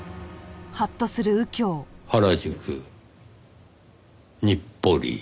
原宿日暮里。